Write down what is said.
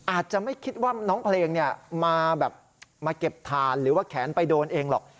อาจจะไม่คิดว่าน้องเพลงมาแบบมาเก็บถ่านหรือว่าแขนไปโดนเองหรอก